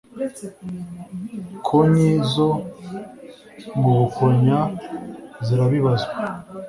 konyi zo mu Bukonya zirabibazwa